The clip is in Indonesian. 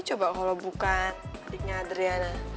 coba kalau bukan adiknya adriana